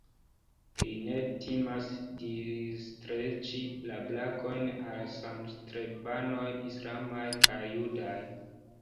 Li ne timas disstreĉi la brakojn al samstrebanoj islamaj kaj judaj.